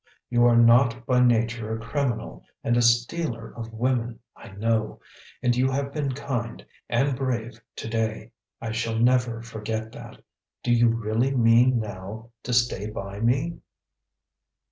You are not by nature a criminal and a stealer of women, I know. And you have been kind and brave to day; I shall never forget that. Do you really mean now to stay by me?"